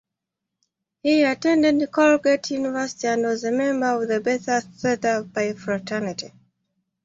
He attended Colgate University and was a member of the Beta Theta Pi fraternity.